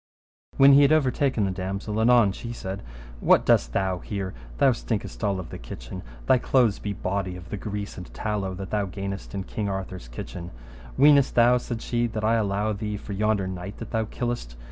When he had overtaken the damosel, anon she said, What dost thou here? thou stinkest all of the kitchen, thy clothes be bawdy of the grease and tallow that thou gainest in King Arthur's kitchen; weenest thou, said she, that I allow thee, for yonder knight that thou killest.